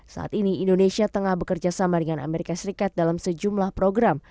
saat ini indonesia tengah bekerja sama dengan amerika serikat dalam sejumlah program